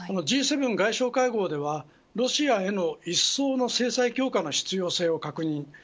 Ｇ７外相会合ではロシアへのいっそうの制裁強化の必要性を確認。